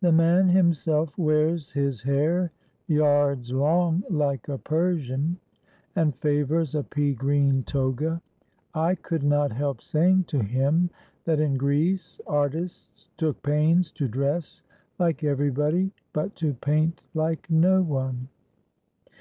The man himself wears his hair yards long like a Persian, and favors a pea green toga. I could not help saying to him that in Greece artists took pains to dress like everybody but to paint like no one.